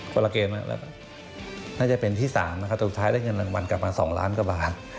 คนละเกณฑ์น่าจะเป็นที่๓นะครับสุดท้ายได้เงินรางวัลกลับมา๒ล้านกว่าบาท